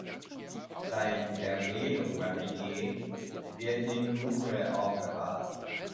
Sein „Vermählung Mariä“ wird im Louvre aufbewahrt.